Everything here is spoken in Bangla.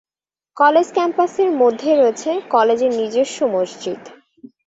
কলেজ ক্যাম্পাসের মধ্যেই রয়েছে কলেজের নিজস্ব মসজিদ।